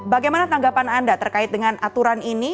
bagaimana tanggapan anda terkait dengan aturan ini